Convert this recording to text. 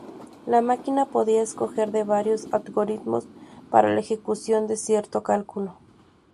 La máquina podía escoger de varios algoritmos para la ejecución de cierto cálculo.